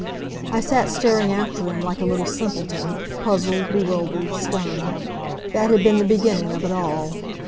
I sat staring after him like a little simpleton, puzzled, bewildered, stunned. That had been the beginning of it all.